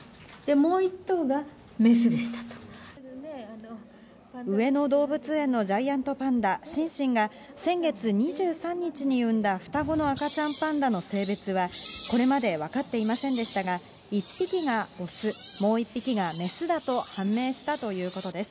もう１頭が上野動物園のジャイアントパンダ、シンシンが先月２３日に産んだ双子の赤ちゃんパンダの性別は、これまで分かっていませんでしたが、１匹が雄、もう１匹が雌だと判明したということです。